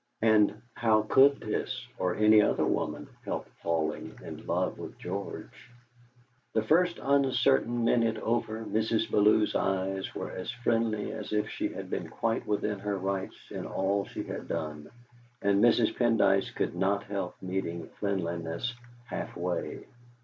And how could this or any other woman help falling in love with George? The first uncertain minute over, Mrs. Bellew's eyes were as friendly as if she had been quite within her rights in all she had done; and Mrs. Pendyce could not help meeting friendliness halfway.